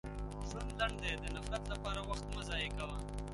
• ژوند لنډ دی، د نفرت لپاره وخت مه ضایع کوه.